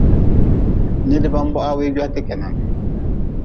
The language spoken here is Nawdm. Nida ban bohaa wuii gweete kenan.